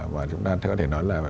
và chúng ta có thể nói là